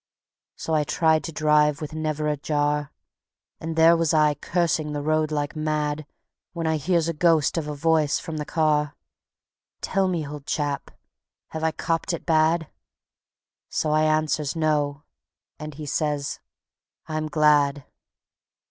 So I tried to drive with never a jar; And there was I cursing the road like mad, When I hears a ghost of a voice from the car: "Tell me, old chap, have I 'copped it' bad?" So I answers "No," and he says, "I'm glad."